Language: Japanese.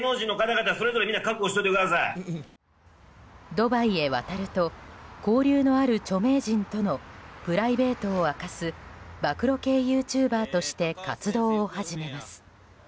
ドバイへ渡ると交流のある著名人とのプライベートを明かす暴露系ユーチューバーとして活動を始めます。